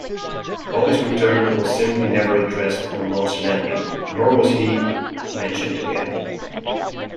Bobby's return was simply never addressed on "Knots Landing", nor was he mentioned again.